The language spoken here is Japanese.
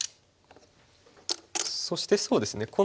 そしてそうですね